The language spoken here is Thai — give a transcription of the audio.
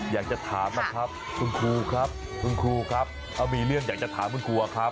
อยากจะถามล่ะครับถ้ามีเรื่องอยากจะถามเพื่อนครูครับ